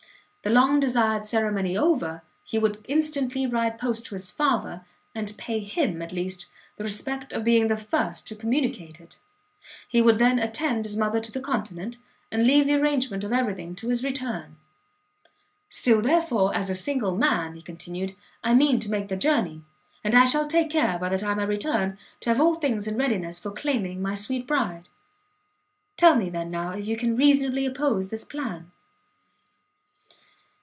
The long desired ceremony over, he would instantly ride post to his father, and pay him, at least, the respect of being the first to communicate it. He would then attend his mother to the Continent, and leave the arrangement of everything to his return. "Still, therefore, as a single man," he continued, "I mean to make the journey, and I shall take care, by the time I return, to have all things in readiness for claiming my sweet Bride. Tell me, then, now, if you can reasonably oppose this plan?"